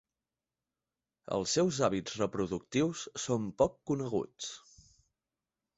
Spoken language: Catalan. Els seus hàbits reproductius són poc coneguts.